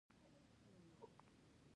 داسې نړۍ چې جوړول یې ناممکن نه دي.